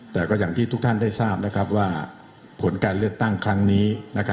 แต่ก็อย่างที่ทุกท่านได้ทราบว่าผลการเลือกตั้งครั้งนี้